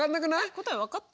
答え分かった？